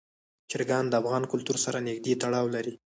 چرګان د افغان کلتور سره نږدې تړاو لري.